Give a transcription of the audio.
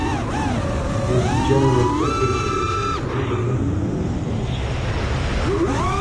He is the General Secretary of the Bangabandhu Parishad.